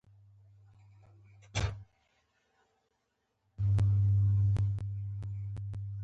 وهم او وېره کې وو.